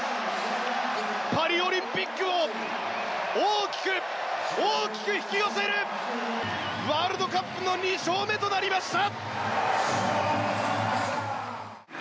パリオリンピックを大きく引き寄せるワールドカップの２勝目となりました！